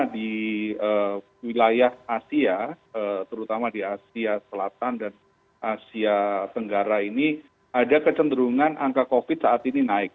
di wilayah asia terutama di asia selatan dan asia tenggara ini ada kecenderungan angka covid saat ini naik